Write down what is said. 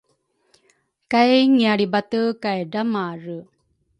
Kay ngialribate kay dramare